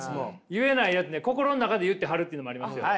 言えないやつね心の中で言って貼るっていうのもありますよね。